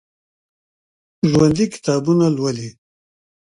ژوندي کتابونه لولي